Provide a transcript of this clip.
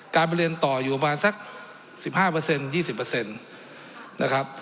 การไปเรียนต่ออยู่ประมาณสัก๑๕๒๐นะครับ